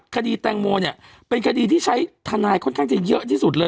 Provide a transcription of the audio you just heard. คดีแตงโมเนี่ยเป็นคดีที่ใช้ทนายค่อนข้างจะเยอะที่สุดเลย